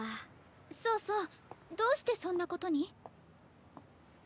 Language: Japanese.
そうそうどうしてそんなことに？